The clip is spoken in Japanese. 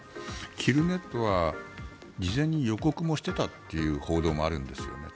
キルネットは事前に予告もしていたという報道もあるんですよね。